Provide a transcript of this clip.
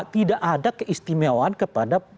tidak ada keistimewaan kepada